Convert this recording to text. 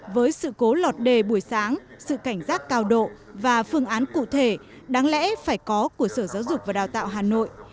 với sự cố lọt đề buổi sáng sự cảnh giác cao độ và phương án cụ thể đáng lẽ phải có của sở giáo dục và đào tạo hà nội